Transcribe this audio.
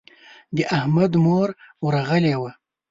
د احمد مور ورغلې وه.